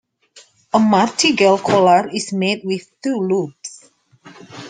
A martingale collar is made with two loops.